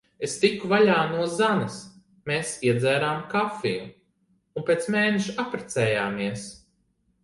Es tiku vaļā no Zanes. Mēs iedzērām kafiju. Un pēc mēneša apprecējāmies.